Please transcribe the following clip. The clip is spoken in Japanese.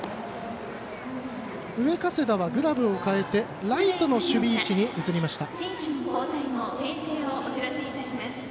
上加世田はグラブを変えてライトの守備位置に移りました。